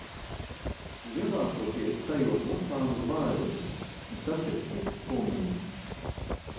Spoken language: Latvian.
Lielākoties tajos lasāmas bailes un tas ir tik skumji.